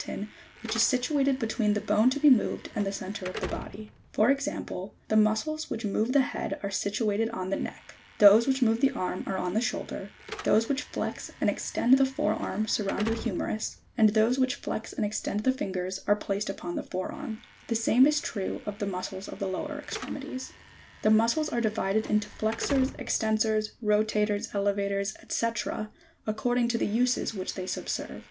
ton which is situated between the bone to be moved and the centre of the body ; for example, the muscles which move the head are situated on the neck ; those which move the arm are on the shoulder; those which flex and extend the fore arm surround the humerus, and those which flex and extend the fingers are placed upon the fore arm ; the same is true of the muscles of the lower extremities. G4. The muscles are divided into Jtexors, extensors, rotators, elevators, &c. according to the uses which they subserve.